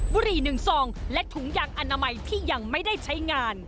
บุหรี่๑ซองและถุงยางอนามัยที่ยังไม่ได้ใช้งาน